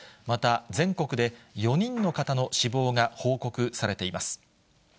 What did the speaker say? また、全国で４人の方の死亡が報告されています。